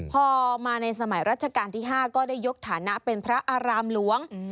พอมาในสมัยรัชกาลที่๕ก็ได้ยกฐานะเป็นพระอารามหลวง